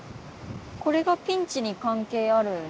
これがピンチに関係ある？